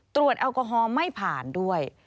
แอลกอฮอล์ไม่ผ่านด้วย